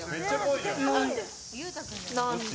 何で？